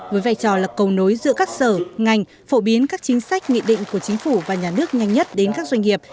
với vai trò là cầu nối giữa các sở ngành phổ biến các chính sách nghị định của chính phủ và nhà nước nhanh nhất đến các doanh nghiệp